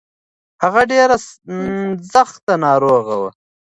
هغه ډير سځت ناروغه دی.